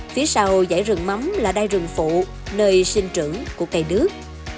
phía sau dãy rừng mắm là đai rừng phụ nơi sinh trưởng của cây nước